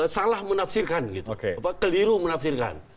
salah menafsirkan gitu keliru menafsirkan